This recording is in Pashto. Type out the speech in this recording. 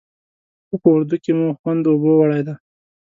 خو په اردو کې مو خوند اوبو وړی دی.